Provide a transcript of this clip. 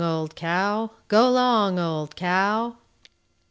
old cow! Go 'long! old cow!"